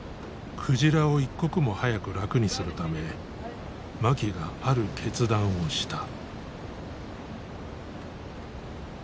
鯨を一刻も早く楽にするため槇がある決断をした。